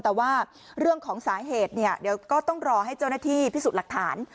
แต่ว่าเรื่องของสาเหตุเนี่ยเดี๋ยวก็ต้องรอให้เจ้าหน้าที่พิสูจน์หลักฐาน